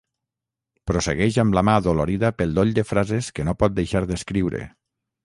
Prossegueix amb la mà adolorida pel doll de frases que no pot deixar d'escriure.